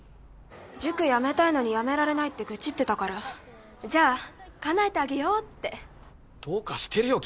塾やめたいのにやめられないって愚痴ってたからじゃあかなえてあげようってどうかしてるよ